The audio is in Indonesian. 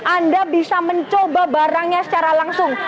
anda bisa mencoba barangnya secara langsung